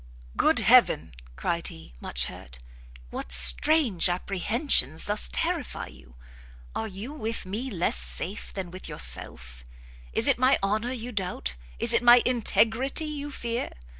"Good heaven," cried he, much hurt, "what strange apprehensions thus terrify you? are you with me less safe than with yourself? is it my honour you doubt? is it my integrity you fear?